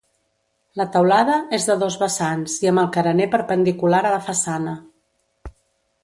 La teulada és de dos vessants i amb el carener perpendicular a la façana.